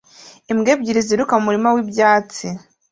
Imbwa ebyiri ziruka mu murima wibyatsi